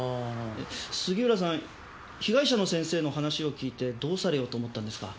杉浦さん被害者の先生の話を聞いてどうされようと思ったんですか？